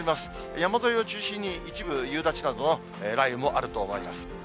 山沿いを中心に一部、夕立などの雷雨もあると思います。